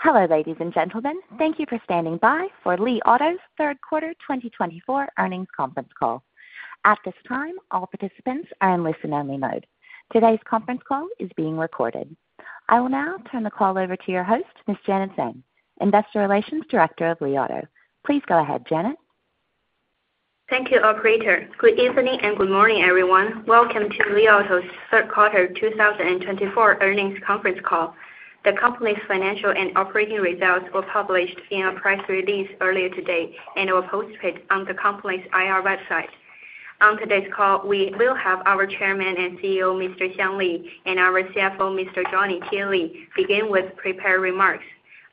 Hello, ladies and gentlemen. Thank you for standing by for Li Auto's third quarter 2024 earnings conference call. At this time, all participants are in listen-only mode. Today's conference call is being recorded. I will now turn the call over to your host, Ms. Janet Zhang, Investor Relations Director of Li Auto. Please go ahead, Janet. Thank you, operator. Good evening and good morning, everyone. Welcome to Li Auto's third quarter 2024 earnings conference call. The company's financial and operating results were published via a press release earlier today and were posted on the company's IR website. On today's call, we will have our Chairman and CEO, Mr. Xiang Li, and our CFO, Mr. Johnny Tie Li, begin with prepared remarks.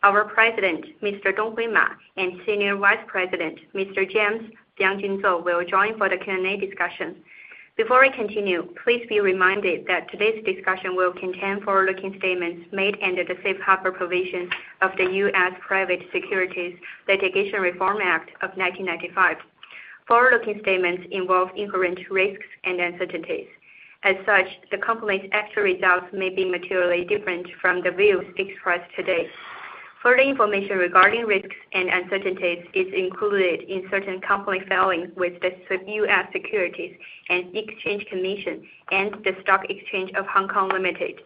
Our President, Mr. Donghui Ma, and Senior Vice President, Mr. James Yanxun Zou, will join for the Q&A discussion. Before I continue, please be reminded that today's discussion will contain forward-looking statements made under the safe harbor provision of the U.S. Private Securities Litigation Reform Act of 1995. Forward-looking statements involve inherent risks and uncertainties. As such, the company's actual results may be materially different from the views expressed today. Further information regarding risks and uncertainties is included in certain company filings with the U.S. Securities and Exchange Commission and the Stock Exchange of Hong Kong Limited.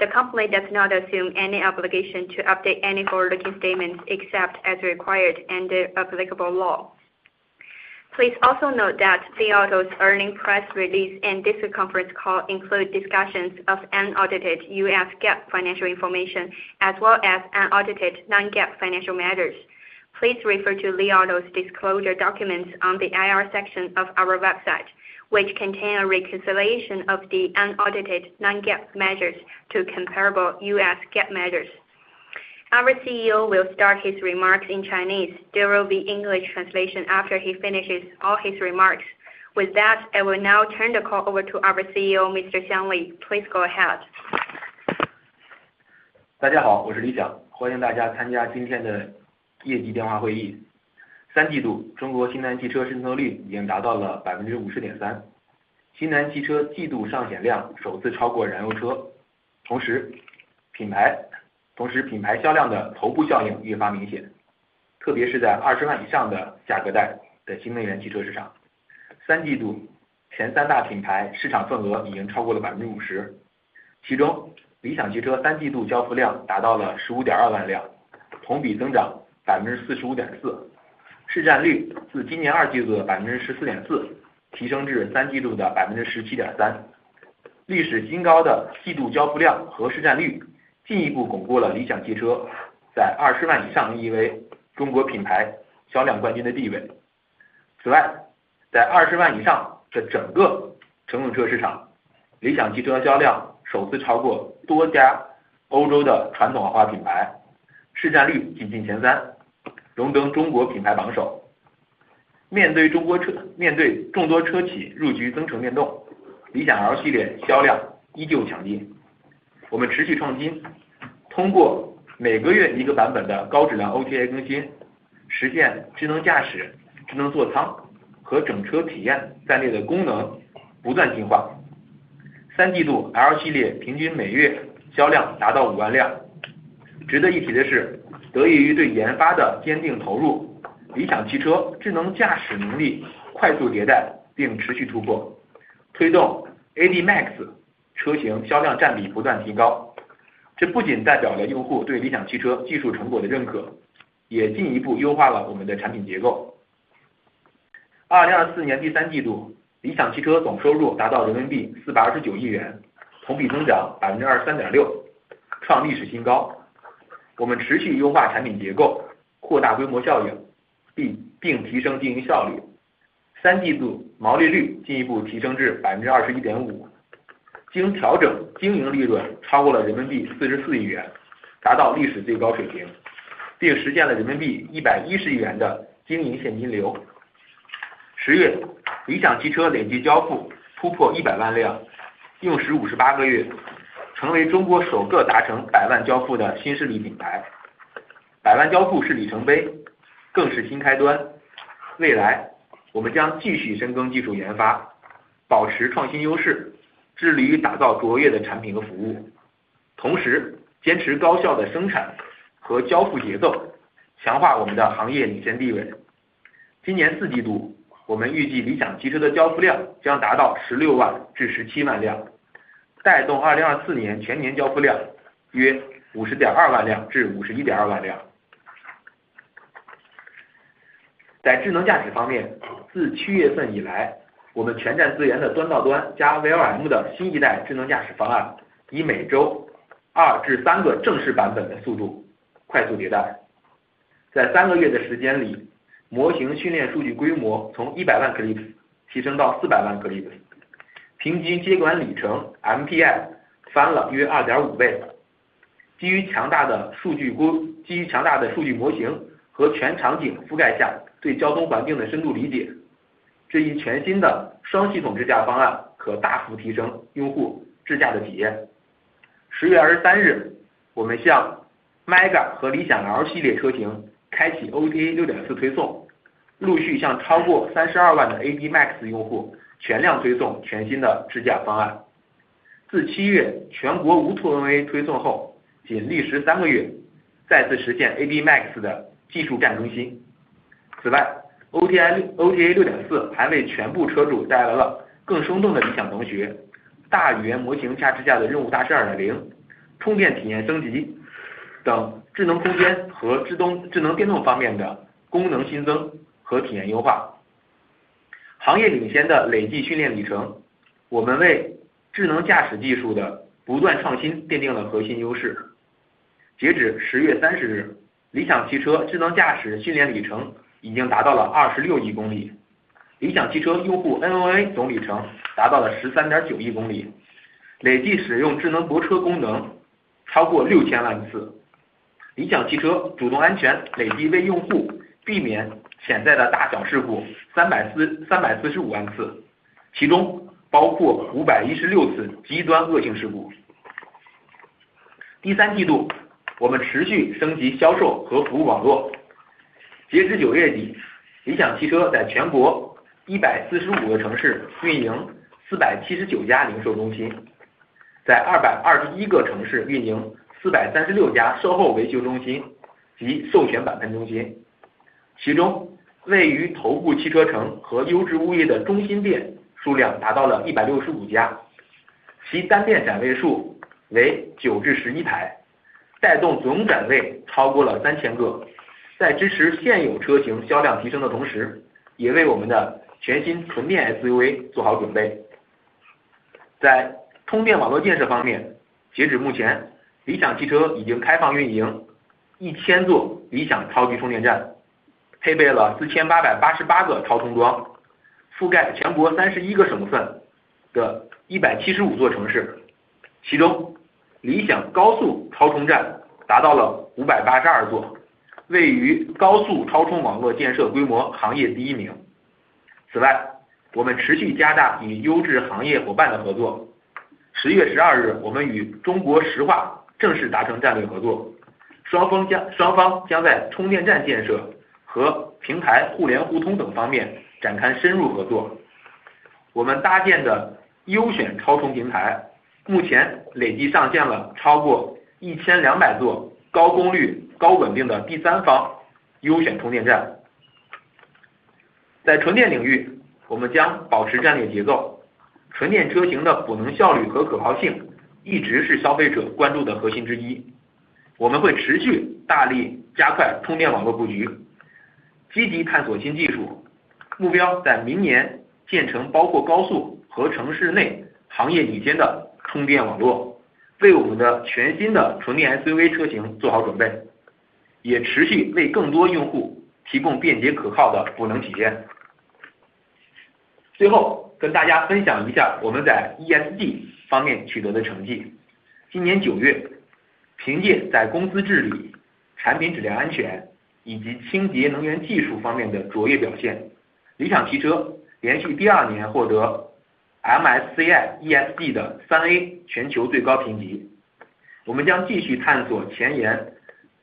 The company does not assume any obligation to update any forward-looking statements except as required under applicable law. Please also note that Li Auto's earnings press release and this conference call include discussions of unaudited U.S. GAAP financial information as well as unaudited non-GAAP financial matters. Please refer to Li Auto's disclosure documents on the IR section of our website, which contain a reconciliation of the unaudited non-GAAP matters to comparable U.S. GAAP matters. Our CEO will start his remarks in Chinese; there will be English translation after he finishes all his remarks. With that, I will now turn the call over to our CEO, Mr. Xiang Li. Please go ahead. 6.4推送，陆续向超过32万的AD Max用户全量推送全新的智驾方案。自7月全国无图NOA推送后，仅历时三个月，再次实现AD Max的技术战更新。此外，OTA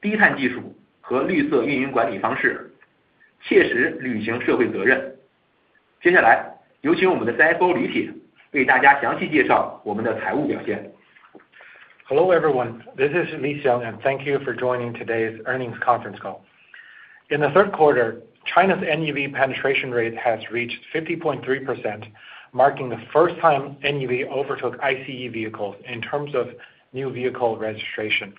Hello everyone, this is Li Xiang and thank you for joining today's earnings conference call. In the third quarter, China's NEV penetration rate has reached 50.3%, marking the first time NEV overtook ICE vehicles in terms of new vehicle registration.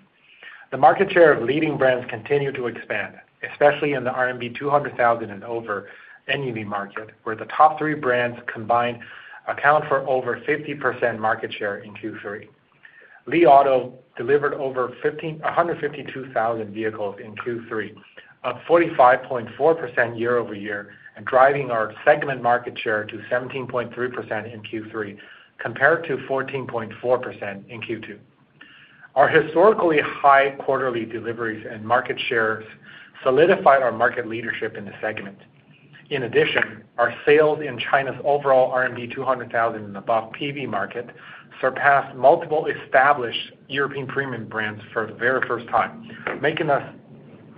The market share of leading brands continued to expand, especially in the RMB 200,000 and over NEV market, where the top three brands combined account for over 50% market share in Q3. Li Auto delivered over 152,000 vehicles in Q3, up 45.4% year over year, and driving our segment market share to 17.3% in Q3 compared to 14.4% in Q2. Our historically high quarterly deliveries and market shares solidified our market leadership in the segment. In addition, our sales in China's overall 200,000 and above PV market surpassed multiple established European premium brands for the very first time, making us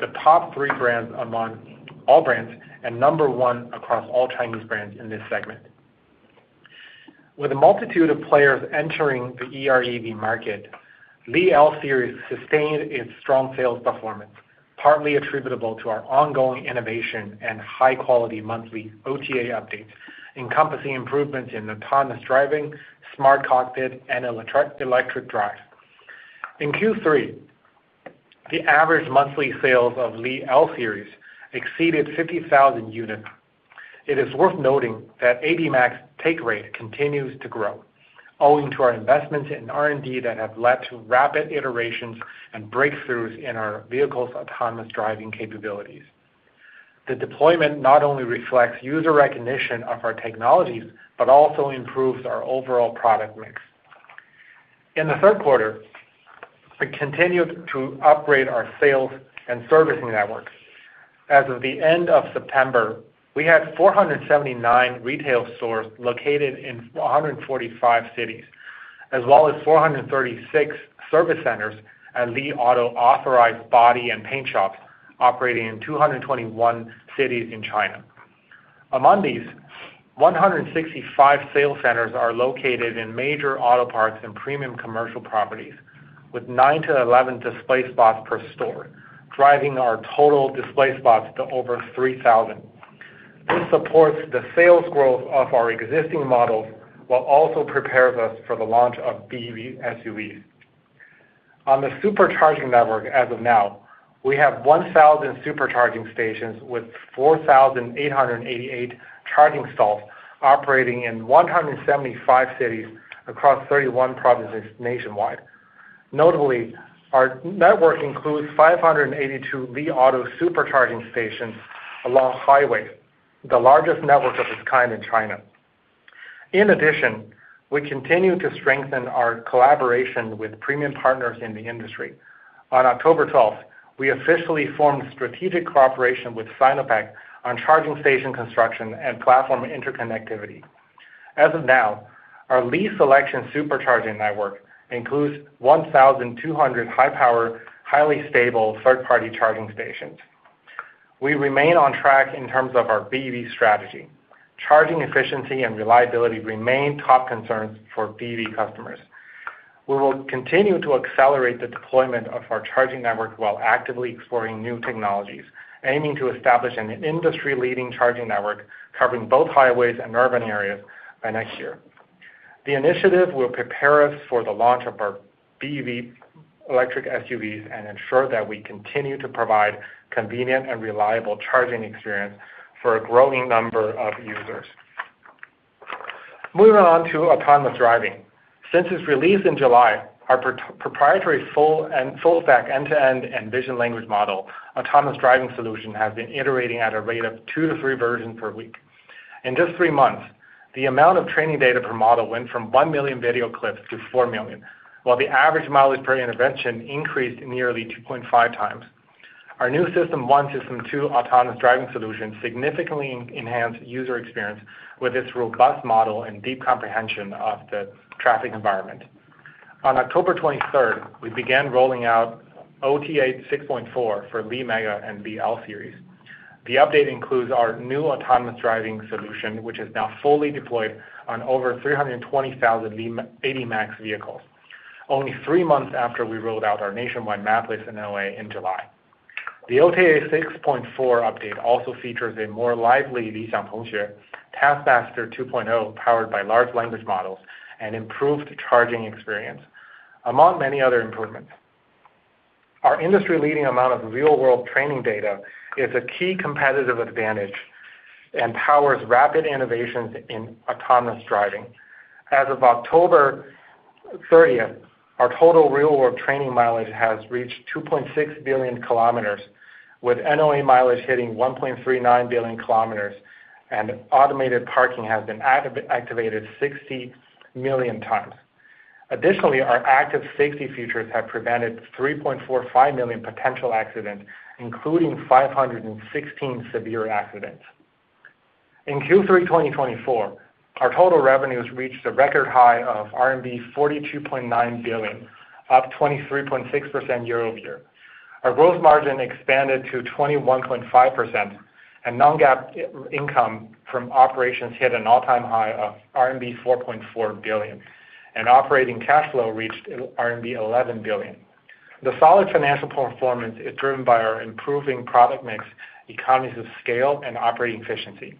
the top three brands among all brands and number one across all Chinese brands in this segment. With a multitude of players entering the EREV market, Li L Series sustained its strong sales performance, partly attributable to our ongoing innovation and high-quality monthly OTA updates, encompassing improvements in autonomous driving, smart cockpit, and electric drive. In Q3, the average monthly sales of Li L Series exceeded 50,000 units. It is worth noting that AD Max take rate continues to grow, owing to our investments in R&D that have led to rapid iterations and breakthroughs in our vehicle's autonomous driving capabilities. The deployment not only reflects user recognition of our technologies but also improves our overall product mix. In the third quarter, we continued to upgrade our sales and servicing network. As of the end of September, we had 479 retail stores located in 145 cities, as well as 436 service centers and Li Auto authorized body and paint shops operating in 221 cities in China. Among these, 165 sales centers are located in major auto parks and premium commercial properties, with nine to 11 display spots per store, driving our total display spots to over 3,000. This supports the sales growth of our existing models while also prepares us for the launch of BEV SUVs. On the supercharging network as of now, we have 1,000 supercharging stations with 4,888 charging stalls operating in 175 cities across 31 provinces nationwide. Notably, our network includes 582 Li Auto supercharging stations along highways, the largest network of its kind in China. In addition, we continue to strengthen our collaboration with premium partners in the industry. On October 12th, we officially formed strategic cooperation with Sinopec on charging station construction and platform interconnectivity. As of now, our Li Auto supercharging network includes 1,200 high-power, highly stable third-party charging stations. We remain on track in terms of our BEV strategy. Charging efficiency and reliability remain top concerns for BEV customers. We will continue to accelerate the deployment of our charging network while actively exploring new technologies, aiming to establish an industry-leading charging network covering both highways and urban areas by next year. The initiative will prepare us for the launch of our BEV electric SUVs and ensure that we continue to provide convenient and reliable charging experience for a growing number of users. Moving on to autonomous driving. Since its release in July, our proprietary full-stack end-to-end and vision language model autonomous driving solution has been iterating at a rate of two to three versions per week. In just three months, the amount of training data per model went from 1 million video clips to 4 million, while the average mileage per intervention increased nearly 2.5 times. Our new System 1 and System 2 autonomous driving solution significantly enhanced user experience with its robust model and deep comprehension of the traffic environment. On October 23rd, we began rolling out OTA 6.4 for Li MEGA and Li L Series. The update includes our new autonomous driving solution, which is now fully deployed on over 320,000 Li AD Max vehicles, only three months after we rolled out our nationwide map list in LA in July. The OTA 6.4 update also features a more lively Li Xiang Tong Xue, TaskMaster 2.0 powered by large language models and improved charging experience, among many other improvements. Our industry-leading amount of real-world training data is a key competitive advantage and powers rapid innovations in autonomous driving. As of October 30th, our total real-world training mileage has reached 2.6 billion kilometers, with NOA mileage hitting 1.39 billion kilometers, and automated parking has been activated 60 million times. Additionally, our active safety features have prevented 3.45 million potential accidents, including 516 severe accidents. In Q3 2024, our total revenues reached a record high of RMB 42.9 billion, up 23.6% year over year. Our gross margin expanded to 21.5%, and non-GAAP income from operations hit an all-time high of RMB 4.4 billion, and operating cash flow reached RMB 11 billion. The solid financial performance is driven by our improving product mix, economies of scale, and operating efficiency.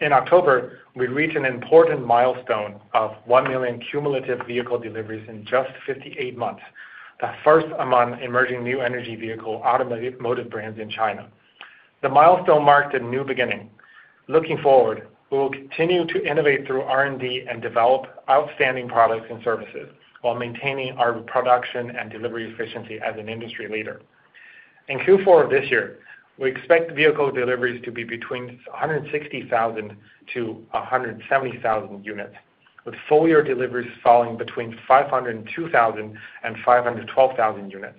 In October, we reached an important milestone of one million cumulative vehicle deliveries in just 58 months, the first among emerging new energy vehicle automotive brands in China. The milestone marked a new beginning. Looking forward, we will continue to innovate through R&D and develop outstanding products and services while maintaining our production and delivery efficiency as an industry leader. In Q4 of this year, we expect vehicle deliveries to be between 160,000-170,000 units, with full-year deliveries falling between 502,000-512,000 units.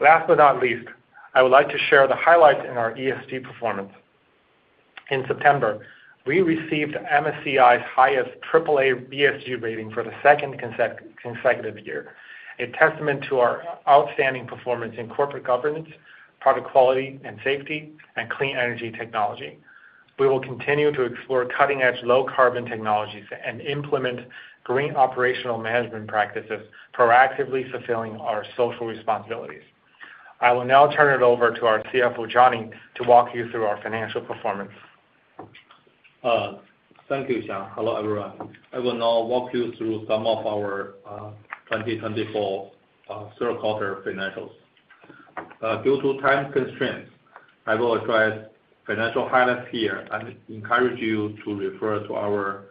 Last but not least, I would like to share the highlights in our ESG performance. In September, we received MSCI's highest AAA ESG rating for the second consecutive year, a testament to our outstanding performance in corporate governance, product quality and safety, and clean energy technology. We will continue to explore cutting-edge low-carbon technologies and implement green operational management practices, proactively fulfilling our social responsibilities. I will now turn it over to our CFO, Johnny, to walk you through our financial performance. Thank you, Xiang. Hello everyone. I will now walk you through some of our 2024 third-quarter financials. Due to time constraints, I will address financial highlights here and encourage you to refer to our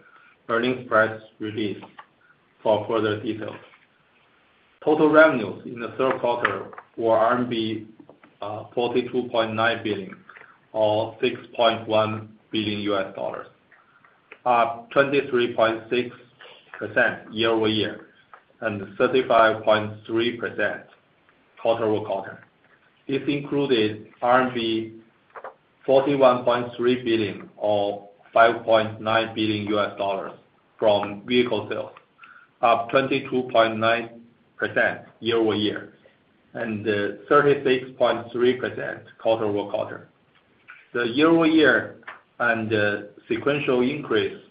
earnings press release for further details. Total revenues in the third quarter were RMB 42.9 billion, or $6.1 billion, up 23.6% year over year and 35.3% quarter over quarter. This included RMB 41.3 billion, or $5.9 billion, from vehicle sales, up 22.9% year over year and 36.3% quarter over quarter. The year-over-year and sequential increase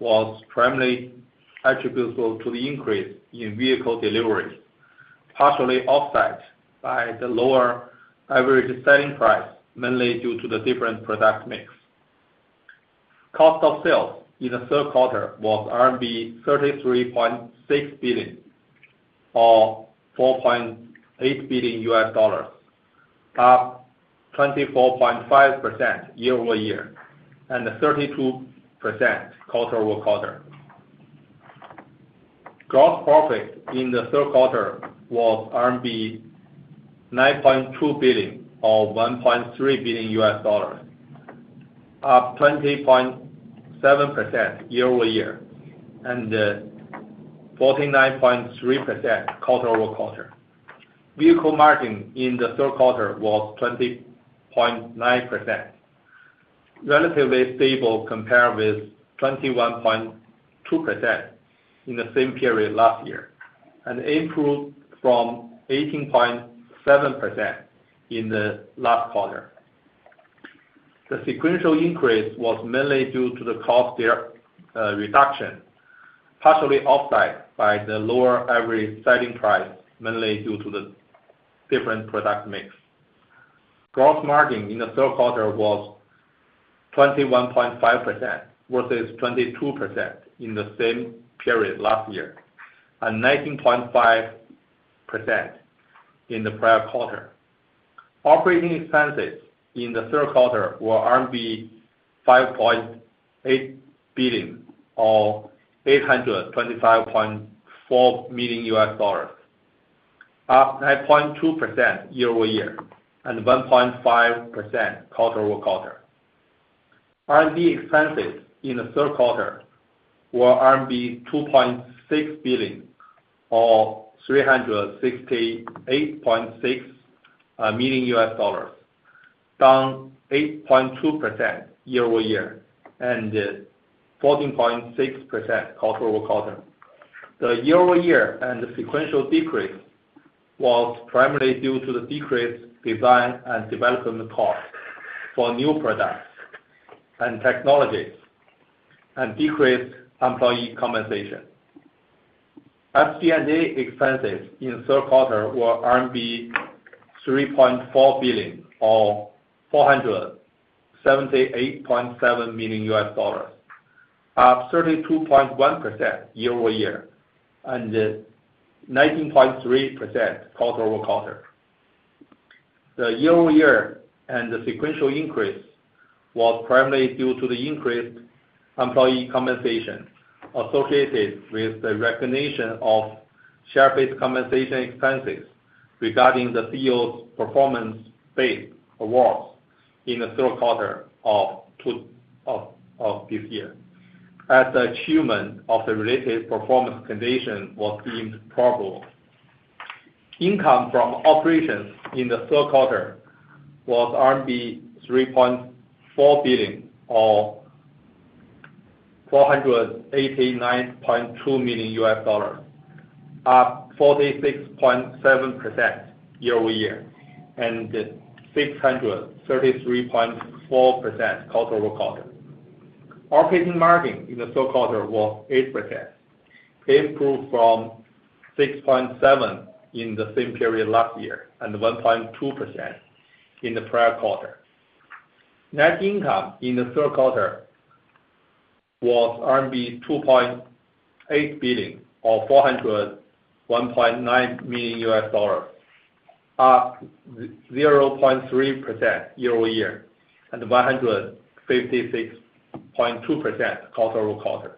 was primarily attributable to the increase in vehicle deliveries, partially offset by the lower average selling price, mainly due to the different product mix. Cost of sales in the third quarter was RMB 33.6 billion, or $4.8 billion, up 24.5% year over year and 32% quarter over quarter. Gross profit in the third quarter was RMB 9.2 billion, or $1.3 billion, up 20.7% year over year and 49.3% quarter over quarter. Vehicle margin in the third quarter was 20.9%, relatively stable compared with 21.2% in the same period last year, and improved from 18.7% in the last quarter. The sequential increase was mainly due to the cost reduction, partially offset by the lower average selling price, mainly due to the different product mix. Gross margin in the third quarter was 21.5%, versus 22% in the same period last year, and 19.5% in the prior quarter. Operating expenses in the third quarter were RMB 5.8 billion, or $825.4 million, up 9.2% year over year and 1.5% quarter over quarter. R&D expenses in the third quarter were 2.6 billion, or $368.6 million, down 8.2% year over year and 14.6% quarter over quarter. The year-over-year and sequential decrease was primarily due to the decreased design and development costs for new products and technologies and decreased employee compensation. SG&A expenses in the third quarter were RMB 3.4 billion, or $478.7 million, up 32.1% year over year and 19.3% quarter over quarter. The year-over-year and the sequential increase was primarily due to the increased employee compensation associated with the recognition of share-based compensation expenses regarding the CEO's performance-based awards in the third quarter of this year, as the achievement of the related performance condition was deemed probable. Income from operations in the third quarter was RMB 3.4 billion, or $489.2 million, up 46.7% year over year and 633.4% quarter over quarter. Operating margin in the third quarter was 8%, improved from 6.7% in the same period last year and 1.2% in the prior quarter. Net income in the third quarter was RMB 2.8 billion, or $401.9 million, up 0.3% year over year and 156.2% quarter over quarter.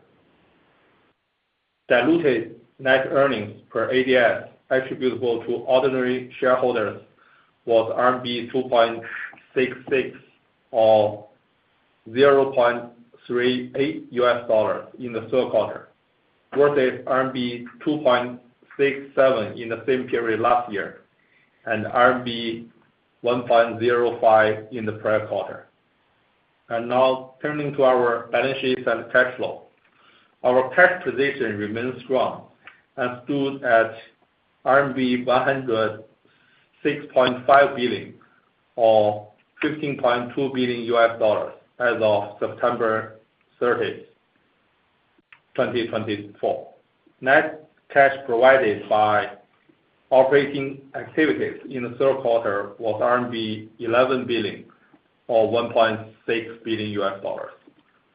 Diluted net earnings per ADS attributable to ordinary shareholders was RMB 2.66, or $0.38 in the third quarter, versus RMB 2.67 in the same period last year and RMB 1.05 in the prior quarter. Now turning to our balance sheets and cash flow. Our cash position remains strong and stood at RMB 106.5 billion, or $15.2 billion as of September 30th, 2024. Net cash provided by operating activities in the third quarter was RMB 11 billion, or $1.6 billion,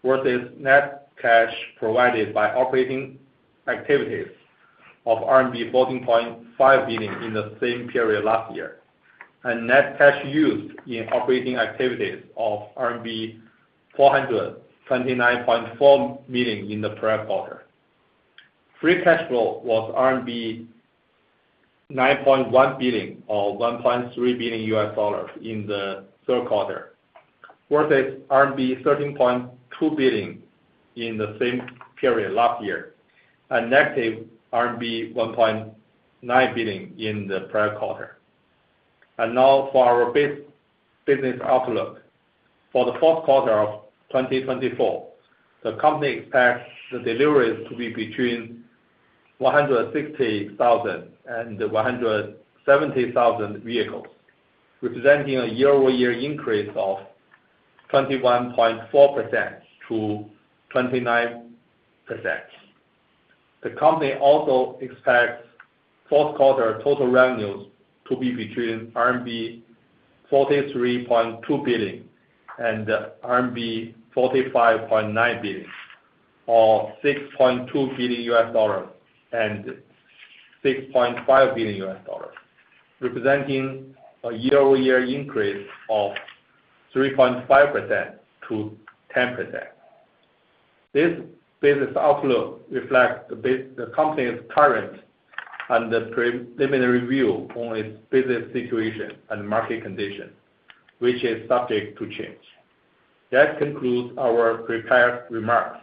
versus net cash provided by operating activities of RMB 14.5 billion in the same period last year, and net cash used in operating activities of RMB 429.4 million in the prior quarter. Free cash flow was RMB 9.1 billion, or $1.3 billion in the third quarter, versus RMB 13.2 billion in the same period last year, and negative RMB 1.9 billion in the prior quarter. And now for our business outlook. For the fourth quarter of 2024, the company expects the deliveries to be between 160,000 and 170,000 vehicles, representing a year-over-year increase of 21.4%-29%. The company also expects fourth quarter total revenues to be between RMB 43.2 billion and RMB 45.9 billion, or $6.2 billion and $6.5 billion, representing a year-over-year increase of 3.5%-10%. This business outlook reflects the company's current and the preliminary view on its business situation and market condition, which is subject to change. That concludes our prepared remarks.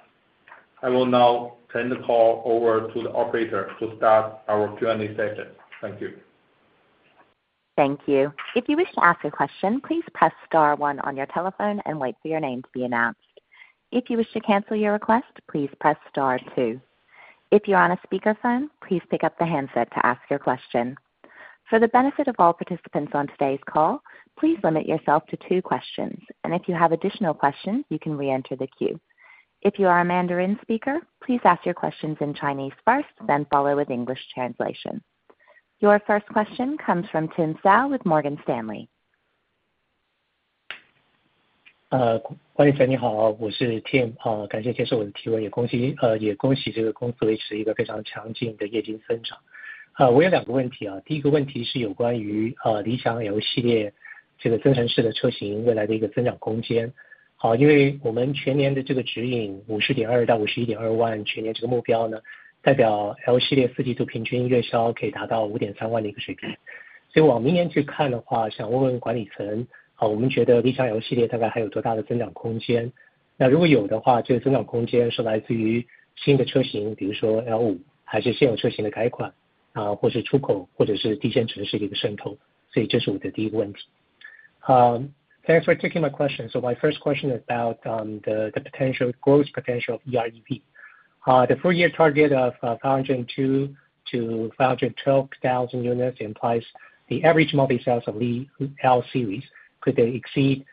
I will now turn the call over to the operator to start our Q&A session. Thank you. Thank you. If you wish to ask a question, please press star one on your telephone and wait for your name to be announced. If you wish to cancel your request, please press star two. If you're on a speakerphone, please pick up the handset to ask your question. For the benefit of all participants on today's call, please limit yourself to two questions. And if you have additional questions, you can re-enter the queue. If you are a Mandarin speaker, please ask your questions in Chinese first, then follow with English translation. Your first question comes from Tim Hsiao with Morgan Stanley. Thanks for taking my question. So my first question is about the potential growth potential of EREV. The full-year target of 502,000-512,000 units implies the average monthly sales of the L series could exceed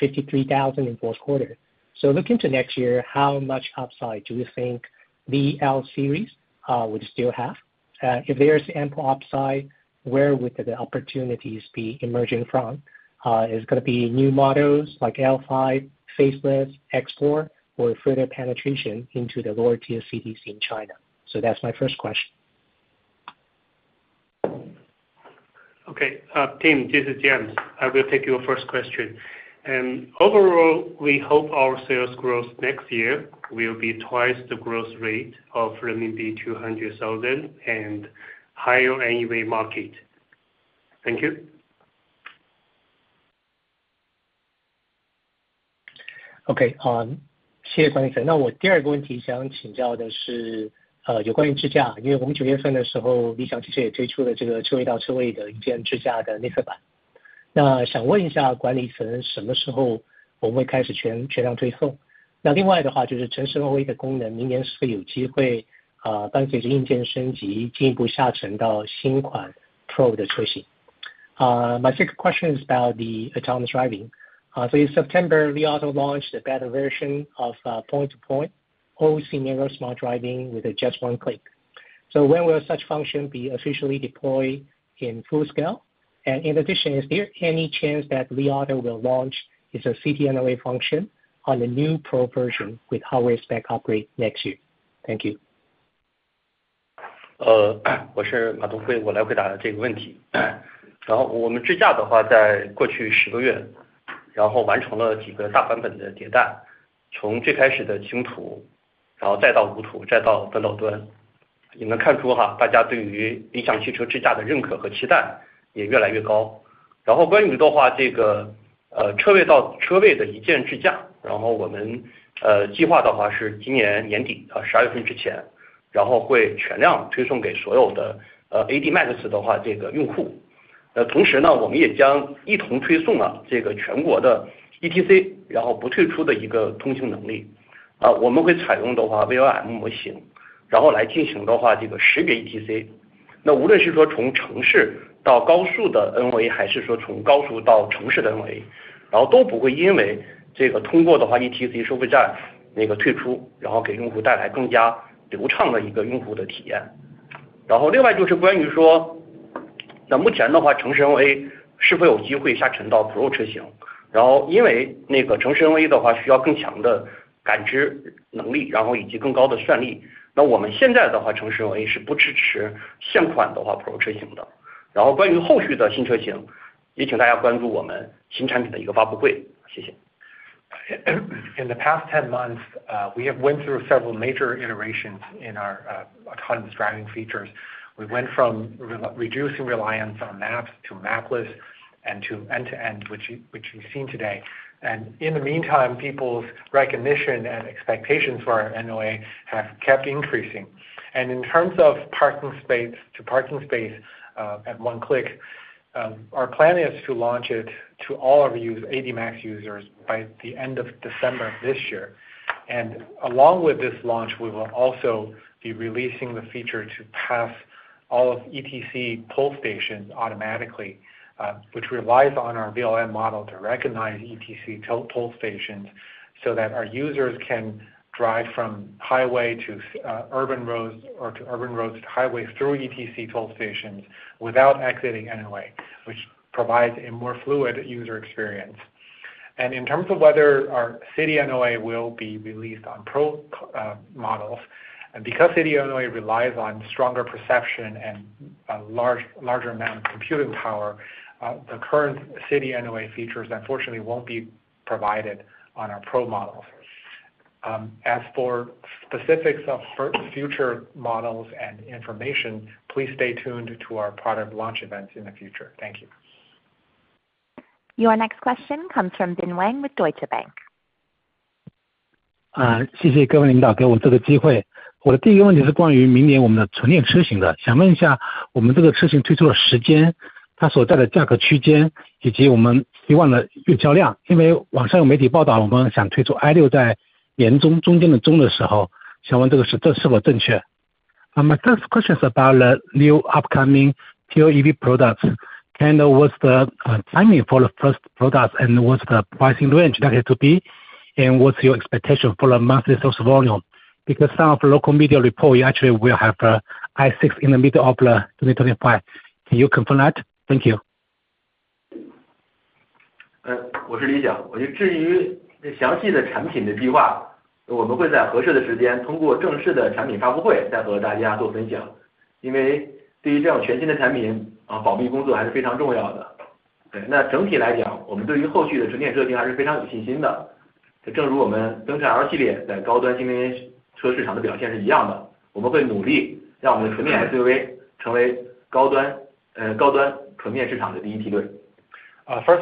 53,000 in fourth quarter. So looking to next year, how much upside do you think the L series would still have? If there is ample upside, where would the opportunities be emerging from? Is it going to be new models like L5, facelift, export, or further penetration into the lower tier cities in China? So that's my first question. Okay. Tim, this is James. I will take your first question. Overall, we hope our sales growth next year will be twice the growth rate of renminbi 200,000 and higher NEV market. Thank you. 谢谢管理层。那我第二个问题想请教的是有关于智驾，因为我们9月份的时候，理想汽车也推出了车位到车位的一键智驾的内测版。想问一下管理层什么时候我们会开始全量推送？另外的话，就是城市NOA的功能明年是不是有机会伴随着硬件升级进一步下沉到新款Pro的车型？ My second question is about the autonomous driving. So in September, Li Auto launched a better version of point-to-point, all-scenario, smart driving with just one click. So when will such function be officially deployed in full scale? And in addition, is there any chance that Li Auto will launch its City NOA function on the new Pro version with hardware spec upgrade next year? Thank you. In the past 10 months, we have went through several major iterations in our autonomous driving features. We went from reducing reliance on maps to mapless and to end-to-end, which you've seen today. In the meantime, people's recognition and expectations for our NOA have kept increasing. In terms of parking space to parking space at one click, our plan is to launch it to all of you AD Max users by the end of December of this year. Along with this launch, we will also be releasing the feature to pass all of ETC toll stations automatically, which relies on our VLM model to recognize ETC toll stations so that our users can drive from highway to urban roads or to urban roads to highway through ETC toll stations without exiting NOA, which provides a more fluid user experience. In terms of whether our City NOA will be released on Pro models, because City NOA relies on stronger perception and a larger amount of computing power, the current City NOA features unfortunately won't be provided on our Pro models. As for specifics of future models and information, please stay tuned to our product launch events in the future. Thank you. Your next question comes from Bin Wang with Deutsche Bank. i6在年中中间的时候，想问这个是否正确。My first question is about the new upcoming BEV products. Kind of what's the timing for the first products and what's the pricing range likely to be? And what's your expectation for the monthly sales volume? Because some of the local media report actually will have Li i6 in the middle of 2025. Can you confirm that? Thank you. 我是理想。至于详细的产品的计划，我们会在合适的时间通过正式的产品发布会再和大家做分享。因为对于这种全新的产品，保密工作还是非常重要的。整体来讲，我们对于后续的纯电车型还是非常有信心的。正如我们增程L系列在高端新能源车市场的表现是一样的，我们会努力让我们的纯电SUV成为高端纯电市场的第一梯队。First of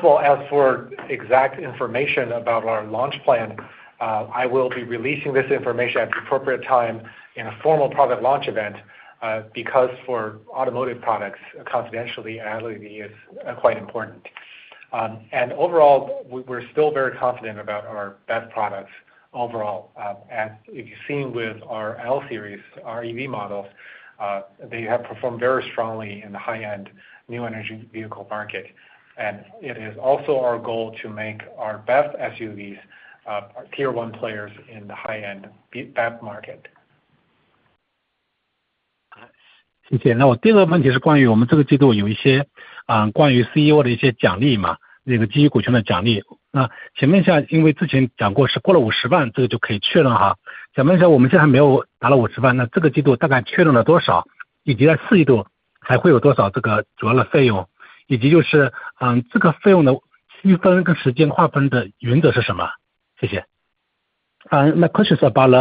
all, as for exact information about our launch plan, I will be releasing this information at the appropriate time in a formal product launch event, because for automotive products, confidentiality is quite important. Overall, we're still very confident about our best products overall. As you've seen with our L series, our EV models, they have performed very strongly in the high-end new energy vehicle market. It is also our goal to make our best SUVs tier one players in the high-end BEV market. 谢谢。我第二个问题是关于我们这个季度有一些关于CEO的一些奖励，基于股权的奖励。请问一下，因为之前讲过是过了50万，这个就可以确认。想问一下我们现在还没有达到50万，这个季度大概确认了多少，以及在四季度还会有多少主要的费用，以及这个费用的区分跟时间划分的原则是什么？谢谢。My question is about the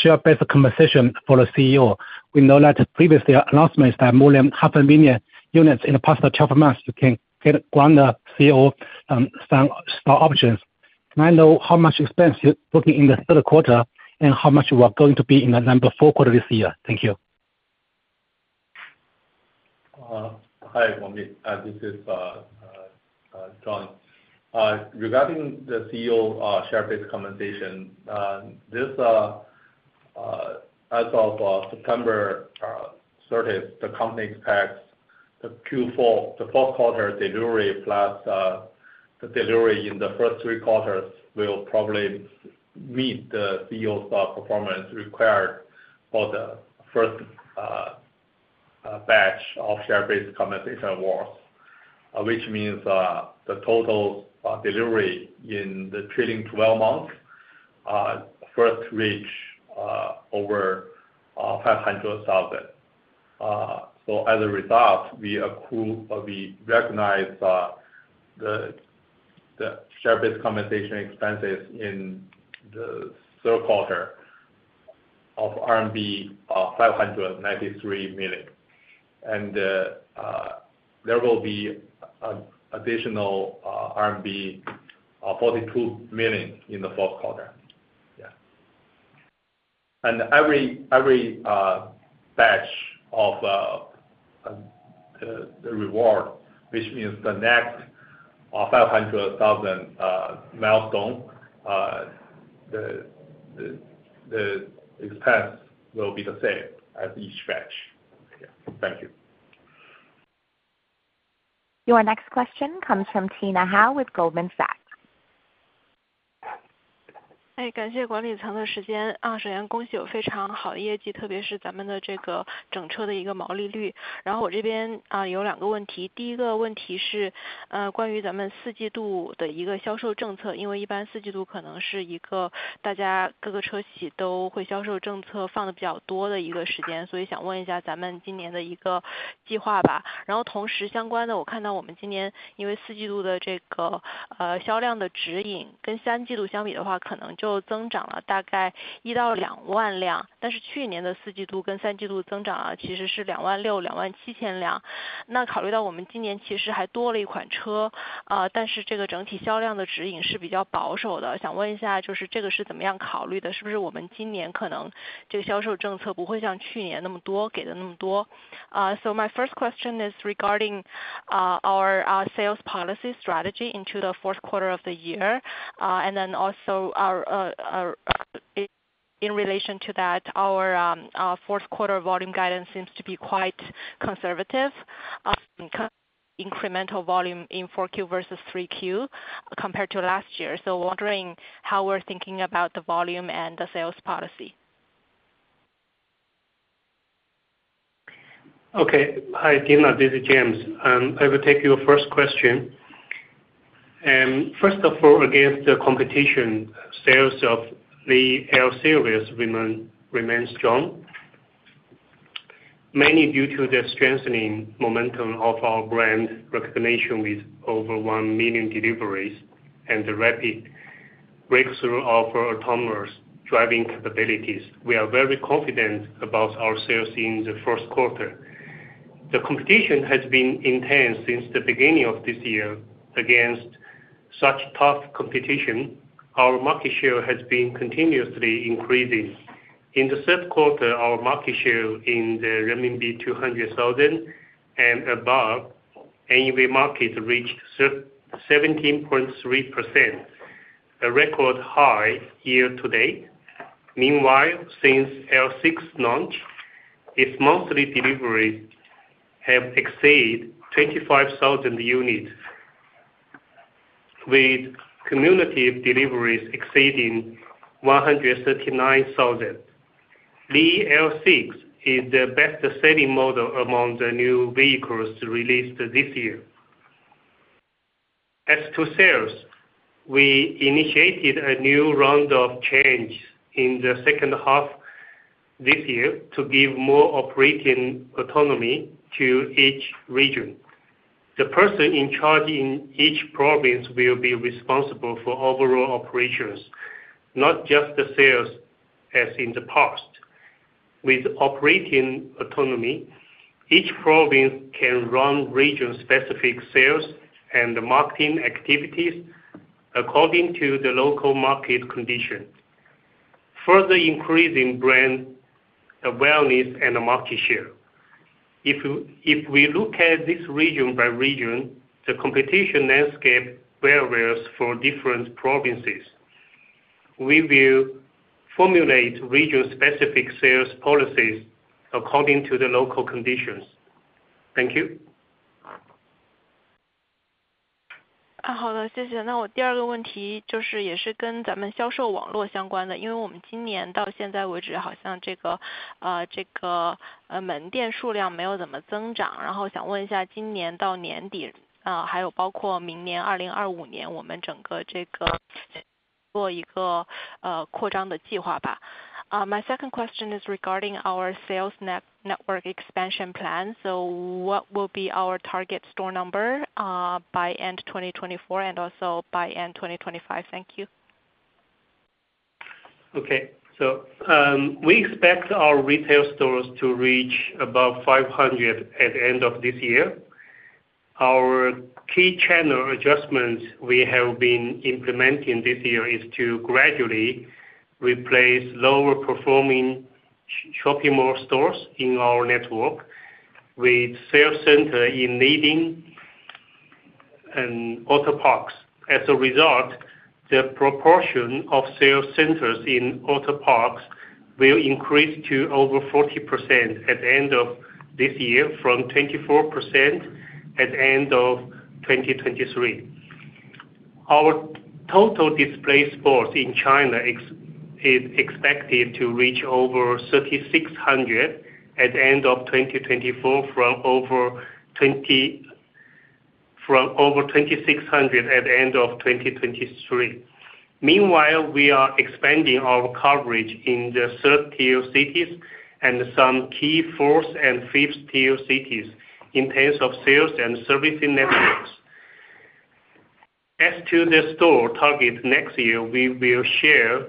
share-based compensation for the CEO. We know that previous announcements that more than 500,000 units in the past 12 months can grant the CEO some options. Can I know how much expense you're booking in the third quarter and how much you are going to book in the fourth quarter this year? Thank you. Hi, Bin Wang. This is John. Regarding the CEO share-based compensation, as of September 30th, the company expects the Q4, the fourth quarter delivery plus the delivery in the first three quarters will probably meet the CEO's performance required for the first batch of share-based compensation awards, which means the total delivery in the trailing 12 months first reach over 500,000. As a result, we recognize the share-based compensation expenses in the third quarter of 593 million RMB. There will be additional 42 million RMB in the fourth quarter. Every batch of the reward, which means the next 500,000 milestone, the expense will be the same as each batch. Thank you. Your next question comes from Tina Hou with Goldman Sachs. So my first question is regarding our sales policy strategy into the fourth quarter of the year. And then also in relation to that, our fourth quarter volume guidance seems to be quite conservative, incremental volume in 4Q versus 3Q compared to last year. So wondering how we're thinking about the volume and the sales policy. Okay. Hi, Tina. This is James. I will take your first question. First of all, against the competition, sales of the L Series remain strong, mainly due to the strengthening momentum of our brand recognition with over one million deliveries and the rapid breakthrough of our autonomous driving capabilities. We are very confident about our sales in the first quarter. The competition has been intense since the beginning of this year. Against such tough competition, our market share has been continuously increasing. In the third quarter, our market share in the renminbi 200,000 and above NEV market reached 17.3%, a record high year to date. Meanwhile, since L6 launch, its monthly deliveries have exceeded 25,000 units, with cumulative deliveries exceeding 139,000. Li L6 is the best-selling model among the new vehicles released this year. As to sales, we initiated a new round of change in the second half this year to give more operating autonomy to each region. The person in charge in each province will be responsible for overall operations, not just the sales as in the past. With operating autonomy, each province can run region-specific sales and marketing activities according to the local market condition, further increasing brand awareness and market share. If we look at this region by region, the competition landscape varies for different provinces. We will formulate region-specific sales policies according to the local conditions. Thank you. 好的，谢谢。我第二个问题也是跟咱们销售网络相关的。因为我们今年到现在为止，好像这个门店数量没有怎么增长。想问一下今年到年底，还有包括明年2025年，我们整个做一个扩张的计划。My second question is regarding our sales network expansion plan. What will be our target store number by end 2024 and also by end 2025? Thank you. Okay. We expect our retail stores to reach about 500 at the end of this year. Our key channel adjustments we have been implementing this year is to gradually replace lower-performing shopping mall stores in our network with sales centers in leading and auto parks. As a result, the proportion of sales centers in auto parks will increase to over 40% at the end of this year from 24% at the end of 2023. Our total display stores in China is expected to reach over 3,600 at the end of 2024 from over 2,600 at the end of 2023. Meanwhile, we are expanding our coverage in the third tier cities and some key fourth and fifth tier cities in terms of sales and servicing networks. As to the store target next year, we will share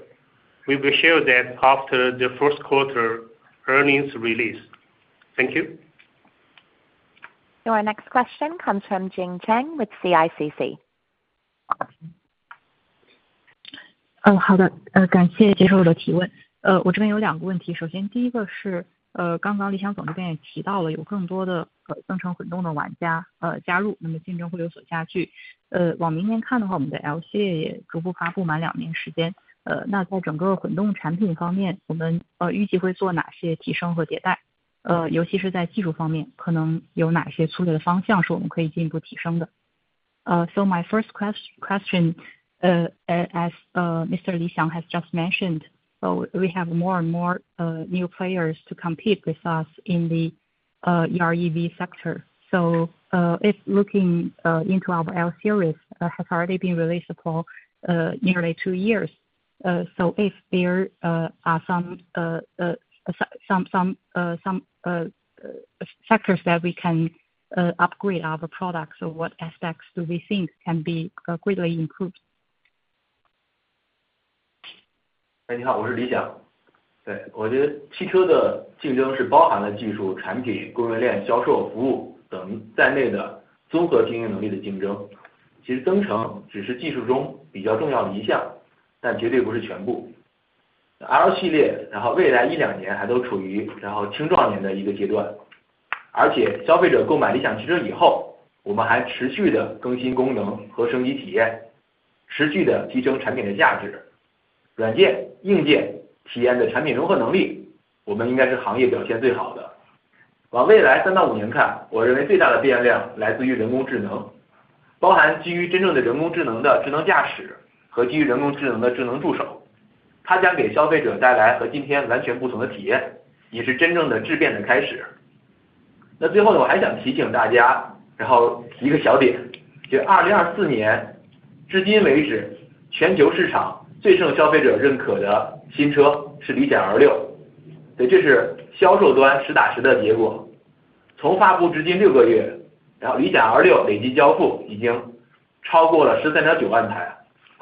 that after the first quarter earnings release. Thank you. Your next question comes from Jing Chang with CICC. 好的，感谢JoJo的提问。我这边有两个问题。首先第一个是刚刚理想总这边也提到了，有更多的增程混动的玩家加入，竞争会有所加剧。往明年看的话，我们的L系列也逐步发布满两年时间。在整个混动产品方面，我们预计会做哪些提升和迭代，尤其是在技术方面，可能有哪些粗略的方向是我们可以进一步提升的。So my first question, as Mr. Li Xiang has just mentioned, we have more and more new players to compete with us in the EREV sector. If looking into our L series has already been released for nearly two years, if there are some factors that we can upgrade our products, what aspects do we think can be greatly improved?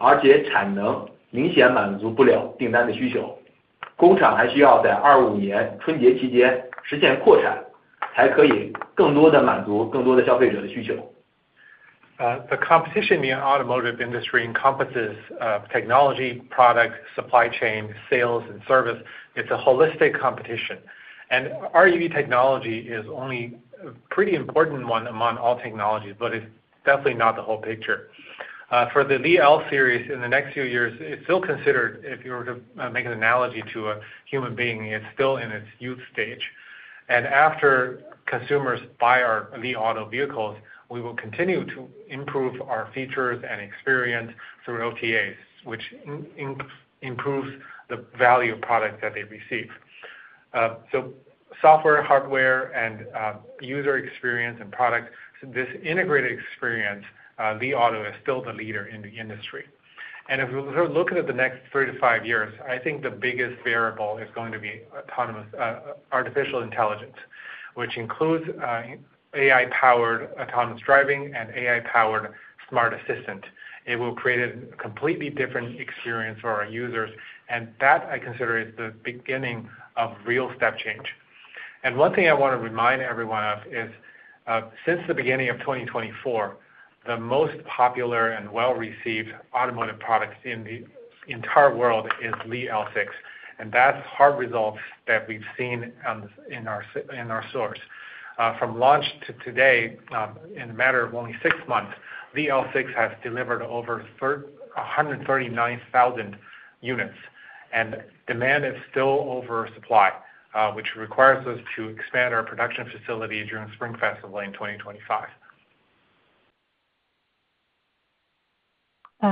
The competition in the automotive industry encompasses technology, product, supply chain, sales, and service. It's a holistic competition. EREV technology is only a pretty important one among all technologies, but it's definitely not the whole picture. For the Li L Series, in the next few years, it's still considered, if you were to make an analogy to a human being, it's still in its youth stage. After consumers buy our Li Auto vehicles, we will continue to improve our features and experience through OTAs, which improves the value of products that they receive. Software, hardware, and user experience and products, this integrated experience, Li Auto is still the leader in the industry. If we look at the next three to five years, I think the biggest variable is going to be artificial intelligence, which includes AI-powered autonomous driving and AI-powered smart assistant. It will create a completely different experience for our users. That I consider is the beginning of real step change. One thing I want to remind everyone of is, since the beginning of 2024, the most popular and well-received automotive product in the entire world is Li L6. That's hard results that we've seen in our stores. From launch to today, in a matter of only six months, Li L6 has delivered over 139,000 units. Demand is still over supply, which requires us to expand our production facility during Spring Festival in 2025.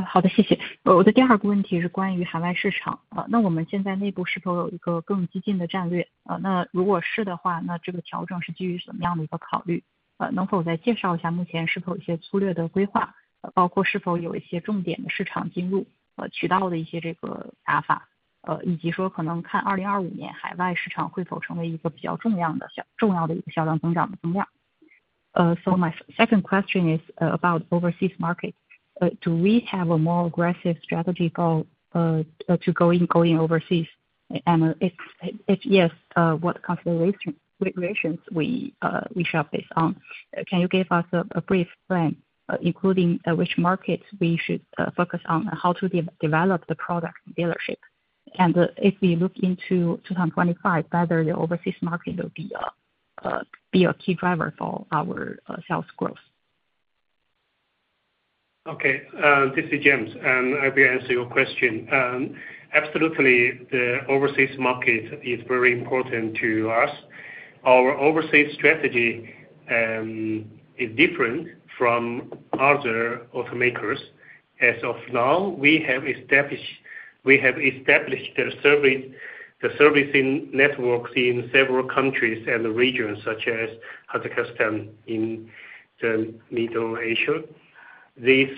好的，谢谢。我的第二个问题是关于海外市场。我们现在内部是否有一个更激进的战略？如果是的话，这个调整是基于什么样的一个考虑？能否再介绍一下目前是否有一些粗略的规划，包括是否有一些重点的市场进入渠道的一些打法，以及说可能看2025年海外市场会否成为一个比较重要的销量增长的增量？ So my second question is about overseas market. Do we have a more aggressive strategy to going overseas? If yes, what considerations we shall base on? Can you give us a brief plan, including which markets we should focus on and how to develop the product dealership? If we look into 2025, whether the overseas market will be a key driver for our sales growth? Okay. This is James. I will answer your question. Absolutely, the overseas market is very important to us. Our overseas strategy is different from other automakers. As of now, we have established the servicing networks in several countries and regions, such as Kazakhstan in Central Asia. These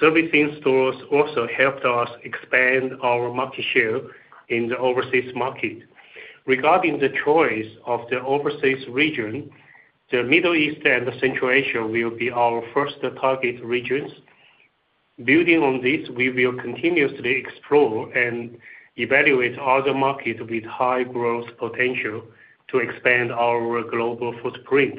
servicing stores also helped us expand our market share in the overseas market. Regarding the choice of the overseas region, the Middle East and Central Asia will be our first target regions. Building on this, we will continuously explore and evaluate other markets with high growth potential to expand our global footprint.